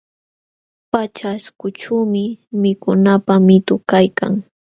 Paćhaśhkućhućhuumi mikunapaq mitu kaykan.